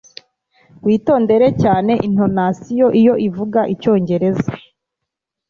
Witondere cyane intonasiyo iyo uvuga icyongereza